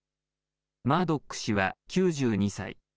マードック氏は９２歳。